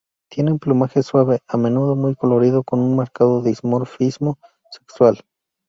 Tienen un plumaje suave, a menudo muy colorido, con un marcado dimorfismo sexual.